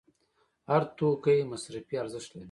هر توکی مصرفي ارزښت لري.